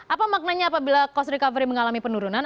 apa maknanya apabila cost recovery mengalami penurunan